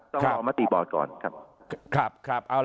ต้องรอมติบอร์ดก่อนครับ